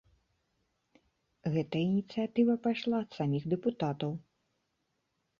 Гэтая ініцыятыва пайшла ад саміх дэпутатаў.